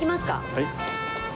はい。